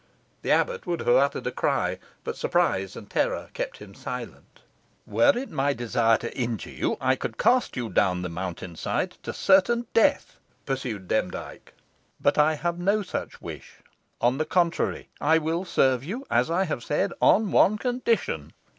The abbot would have uttered a cry, but surprise and terror kept him silent. "Were it my desire to injure you, I could cast you down the mountain side to certain death," pursued Demdike. "But I have no such wish. On the contrary, I will serve you, as I have said, on one condition."